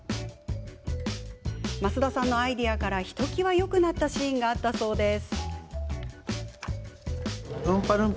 増田さんのアイデアからひときわ、よくなったシーンがあったそうです。